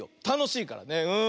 たのしいからね。